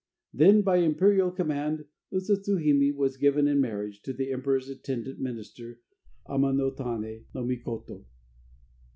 Then, by imperial command, Usa tsu hime was given in marriage to the emperor's attendant minister Ama notane no Mikoto.